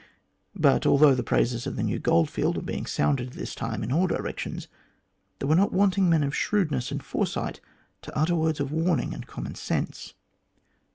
But although the praises of the new goldfield were being sounded at this time in all directions, there were not wanting men of shrewdness and foresight to utter words of warning and common sense.